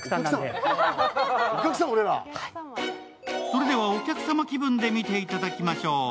それではお客様気分で見ていただきましょう。